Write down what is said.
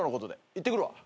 行ってくるわ。